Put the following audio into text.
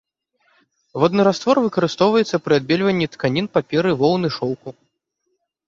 Водны раствор выкарыстоўваецца пры адбельванні тканін, паперы, воўны, шоўку.